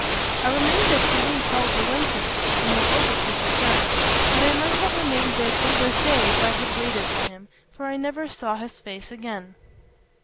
I remained at Toulouse all the winter, in the hope of his return; but I might have remained there till this day if I had waited for him, for I never saw his face again.